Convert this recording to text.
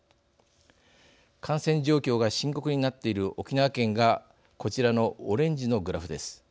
感染状況が深刻になっている沖縄県がこちらのオレンジのグラフです。